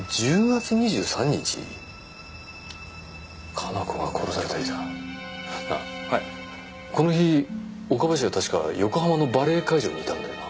加奈子が殺された日だなぁはいこの日岡林は確か横浜のバレエ会場にいたんだよな？